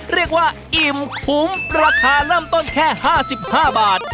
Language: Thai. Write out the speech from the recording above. เรียกว่าอิ่มขุมราคาน่ำต้นแค่๕๕บาท